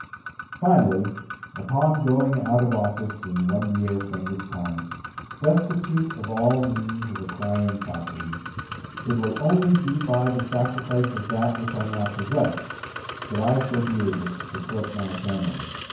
Finally, upon going out of office in one year from this time, destitute of all means of (p. 221) acquiring property, it will only be by the sacrifice of that which I now possess that I shall be able to support my family."